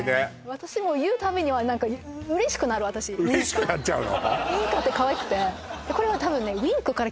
私も言うたびに嬉しくなる嬉しくなっちゃうの？